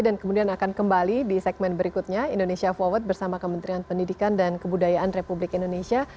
dan kemudian akan kembali di segmen berikutnya indonesia forward bersama kementerian pendidikan dan kebudayaan republik indonesia